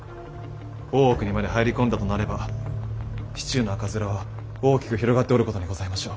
大奥にまで入り込んだとなれば市中の赤面は大きく広がっておることにございましょう。